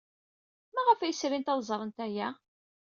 Maɣef ay srint ad ẓrent aya?